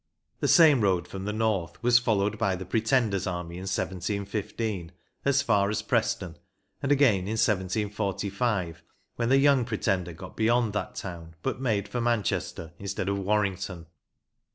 The same road from the north was followed by the Pretender's army in 1715 as far as Preston, and again in 1745, when the Young Pretender got beyond that town, but made for Manchester instead of Warrington.